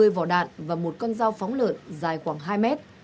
một mươi vỏ đạn và một con dao phóng lợn dài khoảng hai mét